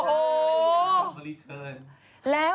โอ้โฮ